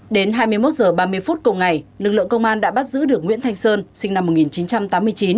đến hai mươi một h ba mươi phút cùng ngày lực lượng công an đã bắt giữ được nguyễn thanh sơn sinh năm một nghìn chín trăm tám mươi chín